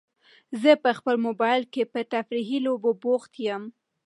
زه په خپل موبایل کې په تفریحي لوبو بوخت یم.